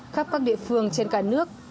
khắp các địa phương trên cả nước